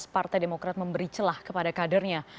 partai demokrat memberi celah kepada kadernya